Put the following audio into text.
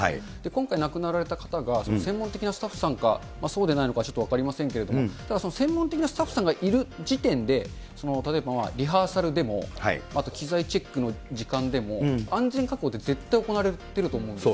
今回亡くなられた方が、専門的なスタッフさんか、そうでないのかはちょっと分かりませんけれども、専門的なスタッフさんがいる時点で、例えば、リハーサルでもあと機材チェックの時間でも、安全確保って絶対行われてると思うんです。